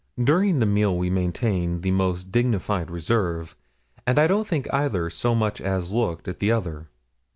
During the meal we maintained the most dignified reserve; and I don't think either so much as looked at the other.